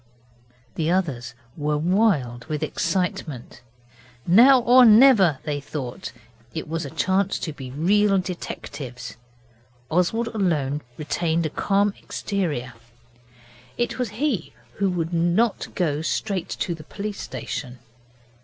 The others were wild with excitement. Now or never, they thought, was a chance to be real detectives. Oswald alone retained a calm exterior. It was he who would not go straight to the police station.